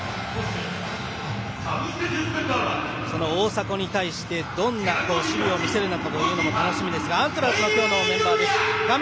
大迫に対してどんな守備を見せるのかも楽しみですが鹿島アントラーズの今日のメンバーです。